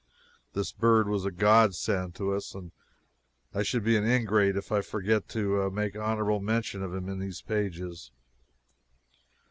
This bird was a godsend to us, and I should be an ingrate if I forgot to make honorable mention of him in these pages.